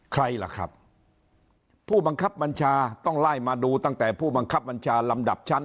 ใครล่ะครับผู้บังคับบัญชาต้องไล่มาดูตั้งแต่ผู้บังคับบัญชาลำดับชั้น